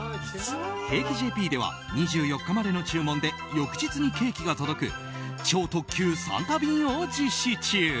Ｃａｋｅ．ｊｐでは２４日までの注文で翌日にケーキが届く超特急サンタ便を実施中。